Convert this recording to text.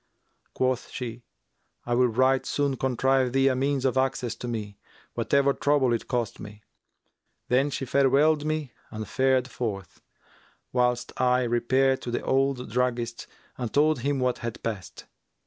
Quoth she, 'I will right soon contrive thee a means of access to me, whatever trouble it cost me.' Then she farewelled me and fared forth, whilst I repaired to the old druggist and told him what had passed.